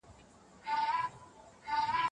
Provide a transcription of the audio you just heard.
کمپيوټر قدمونه شمېرې.